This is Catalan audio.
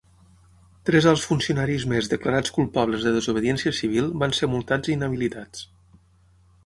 Tres alts funcionaris més declarats culpables de desobediència civil van ser multats i inhabilitats.